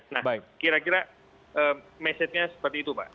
nah kira kira mesennya seperti itu pak